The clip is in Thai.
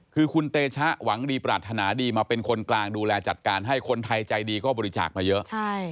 คือคุณเตชะหวังดีปรารถนาดีมาเป็นคนกลางดูแลจัดการให้คนไทยใจดีก็บริจาคมาเยอะ